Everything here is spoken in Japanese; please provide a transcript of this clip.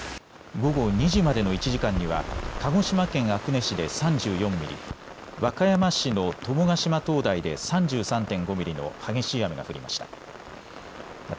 午後２時までの１時間には鹿児島県阿久根市で３４ミリ、和歌山市の友ヶ島灯台で３３．５ミリの激しい雨が降りました。